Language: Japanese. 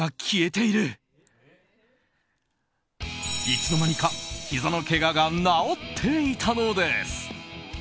いつの間にか、ひざのけがが治っていたのです！